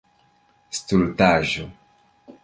Stultaĵo!